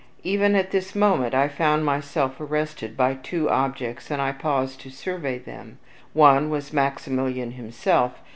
Even at this moment I found myself arrested by two objects, and I paused to survey them. One was Maximilian himself.